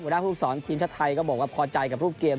หน้าภูมิสอนทีมชาติไทยก็บอกว่าพอใจกับรูปเกม